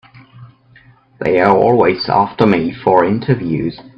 They're always after me for interviews.